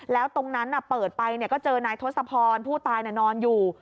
แล้วตรงนั้นเปิดไปก็เจอนายทศพรผู้ตายนอนอยู่